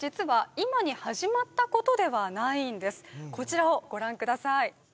へえこちらをご覧ください